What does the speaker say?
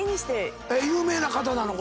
有名な方なの？